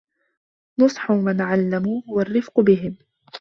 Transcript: نُصْحُ مَنْ عَلَّمُوهُ وَالرِّفْقُ بِهِمْ